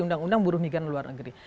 undang undang buruh migran luar negeri